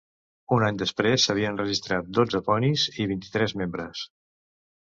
Un any després s"havien registrat dotze ponis i vint-i-tres membres.